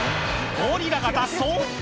ゴリラが脱走？